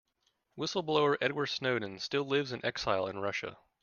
Whistle-blower Edward Snowden still lives in exile in Russia.